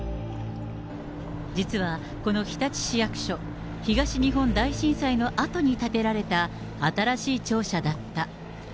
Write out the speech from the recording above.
実はこの日立市役所、東日本大震災のあとに建てられた新しい庁舎だった。